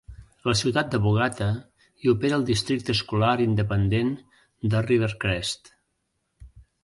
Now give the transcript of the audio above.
A la ciutat de Bogata hi opera el districte escolar independent de Rivercrest.